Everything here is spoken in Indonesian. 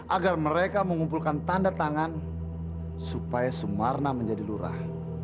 agar mereka mengumpulkan tanda tangan supaya sumarna menjadi lurah